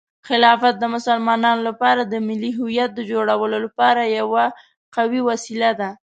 خلافت د مسلمانانو لپاره د ملي هویت د جوړولو لپاره یوه قوي وسیله ده.